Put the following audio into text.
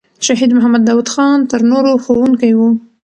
شهید محمد داود خان تر نورو ښوونکی وو.